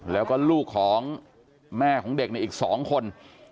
แล้วก็ลูกของแม่ของเด็กในอีก๒คน